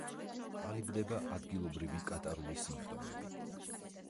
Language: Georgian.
ყალიბდება ადგილობრივი კატარული სიმპტომები.